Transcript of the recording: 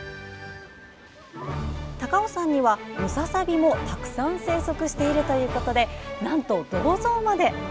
高尾山にはムササビもたくさん生息しているということで、なんと銅像まで！